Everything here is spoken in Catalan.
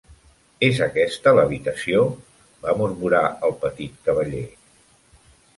"És aquesta l'habitació?" va murmurar el petit cavaller.